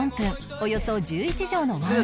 およそ１１畳のワンルーム